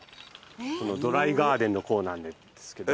ドライガーデンのコーナーなんですけど。